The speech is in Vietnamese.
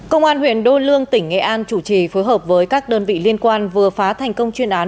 công an huyện đô lương tỉnh nghệ an chủ trì phối hợp với các đơn vị liên quan vừa phá thành công chuyên án